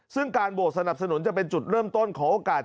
ซึ่งการโหวตสนับสนุนจะเป็นจุดเริ่มต้นของโอกาส